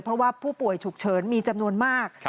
เพราะว่าผู้ป่วยฉุกเฉินมีจำนวนมาก